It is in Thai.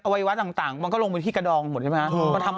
วัยวะต่างมันก็ลงไปที่กระดองหมดใช่ไหมครับ